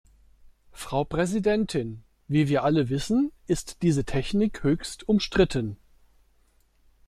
Frau Präsidentin! Wie wir alle wissen, ist diese Technik höchst umstritten.